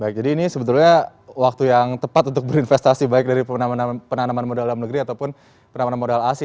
baik jadi ini sebetulnya waktu yang tepat untuk berinvestasi baik dari penanaman modal dalam negeri ataupun penanaman modal asing